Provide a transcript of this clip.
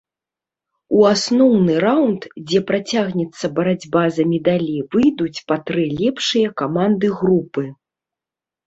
У асноўны раўнд, дзе працягнецца барацьба за медалі, выйдуць па тры лепшыя каманды групы.